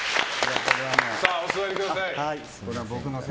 お座りください。